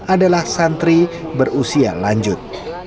adalah santri berusia lanjut